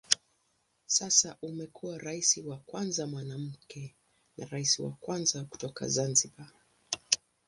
Sasa amekuwa rais wa kwanza mwanamke na rais wa kwanza kutoka Zanzibar.